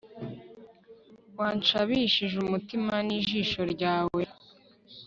wanshabishije umutima n ijisho ryawe